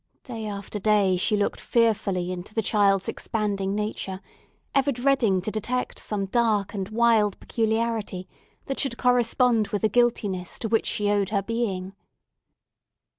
Day after day she looked fearfully into the child's expanding nature, ever dreading to detect some dark and wild peculiarity that should correspond with the guiltiness to which she owed her being.